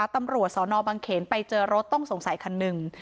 ตำรวจสนบังเขนไปเจอรถต้องสงสัยคันหนึ่ง